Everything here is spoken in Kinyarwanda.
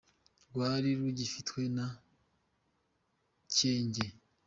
rwari rugifitwe na Cyenge.